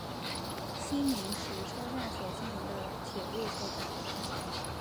西明石车站所经营的铁路车站。